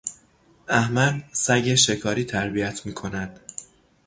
احمد سگ شکاری تربیت میکند.